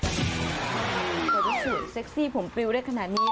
จะได้สวยเซ็กซี่ผมปลิวได้ขนาดนี้